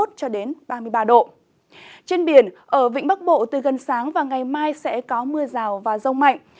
trên biển ở vĩnh bắc bộ từ gần sáng và ngày mai sẽ có mưa rào và rông mạnh